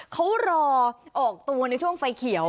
เขารอออกตัวในช่วงไฟเขียว